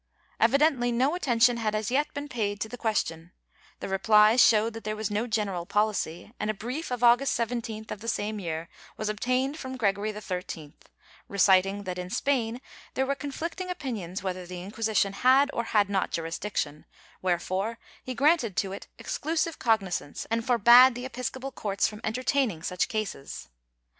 ^ Evidently no attention had as yet been paid to the question ; the replies showed that there was no general policy, and a brief of August 17th, of the same year, was obtained from Gregory XIII reciting that in Spain tiiere were conflicting opinions w^iether the Inquisition had or had not jurisdiction, wherefore he granted to it exclusive cognizance, and forbade the episcopal courts from entertaining such cases.